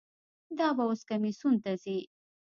دا به اوس کمیسیون ته ځي.